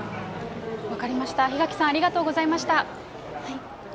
分かりました、檜垣さん、ありがとうございました。